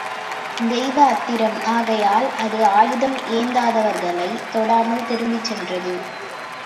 தெய்வ அத்திரம் ஆகையால் அது ஆயுதம் ஏந்தாதவர்களைத் தொடாமல் திரும்பிச் சென்றது.